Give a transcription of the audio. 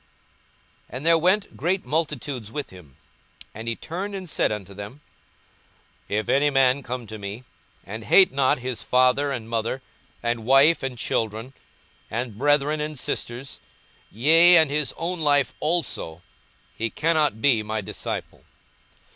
42:014:025 And there went great multitudes with him: and he turned, and said unto them, 42:014:026 If any man come to me, and hate not his father, and mother, and wife, and children, and brethren, and sisters, yea, and his own life also, he cannot be my disciple.